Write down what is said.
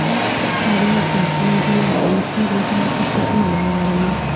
فاریاب د افغان نجونو د پرمختګ لپاره فرصتونه برابروي.